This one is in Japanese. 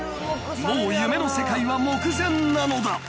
もう夢の世界は目前なのだ！］